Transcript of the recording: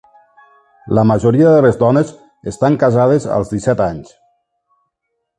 La majoria de les dones estan casades als disset anys.